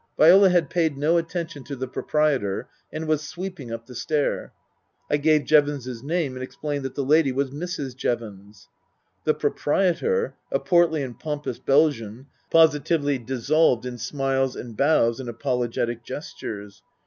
Viola had paid no attention to the proprietor and was sweeping up the stair. I gave Jevons' s name and explained that the lady was Mrs. Jevons. The proprietor, a portly and pompous Belgian, positively dissolved in smiles and bows and apologetic gestures.